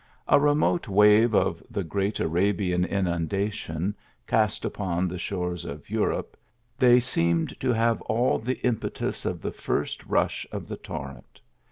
A remote wave of the great Arabian inundation, cast upon the shores of Europe, they seemed to have all the impetus of the first rush of the torrent.